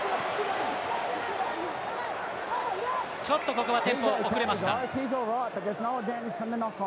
ここはテンポが遅れました。